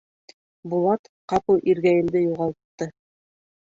Булат ҡапыл Иргәйелде юғалтты.